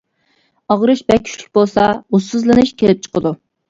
ئاغرىش بەك كۈچلۈك بولسا، ھوشسىزلىنىش كېلىپ چىقىدۇ.